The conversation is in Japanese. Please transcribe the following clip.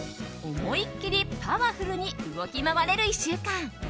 思いっきりパワフルに動き回れる１週間。